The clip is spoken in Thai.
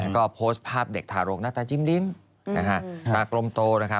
ก็โพสต์ภาพเด็กทารกหน้าตาจิ้มลิ้นตากลมโต